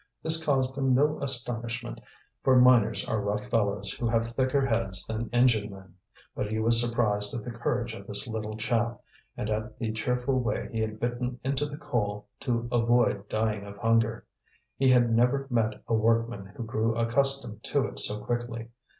This caused him no astonishment, for miners are rough fellows who have thicker heads than engine men; but he was surprised at the courage of this little chap, and at the cheerful way he had bitten into the coal to avoid dying of hunger. He had never met a workman who grew accustomed to it so quickly.